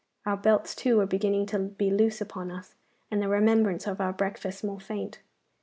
Our belts, too, were beginning to be loose upon us, and the remembrance of our breakfast more faint.